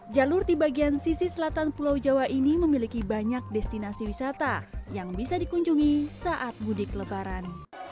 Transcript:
jalur di bagian sisi selatan pulau jawa ini memiliki banyak destinasi wisata yang bisa dikunjungi saat mudik lebaran